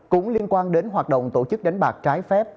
cũng liên quan đến hoạt động tổ chức đánh bạc trái phép